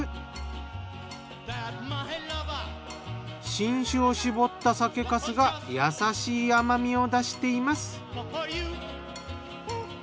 新酒を搾った酒粕が優しい甘みを出しています。